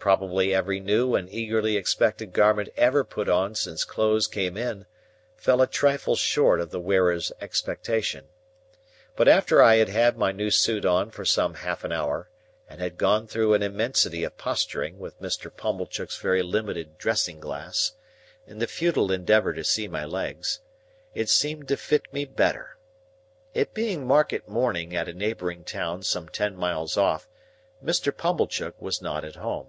Probably every new and eagerly expected garment ever put on since clothes came in, fell a trifle short of the wearer's expectation. But after I had had my new suit on some half an hour, and had gone through an immensity of posturing with Mr. Pumblechook's very limited dressing glass, in the futile endeavour to see my legs, it seemed to fit me better. It being market morning at a neighbouring town some ten miles off, Mr. Pumblechook was not at home.